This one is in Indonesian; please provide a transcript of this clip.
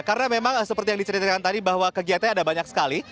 karena memang seperti yang diceritakan tadi bahwa kegiatannya ada banyak sekali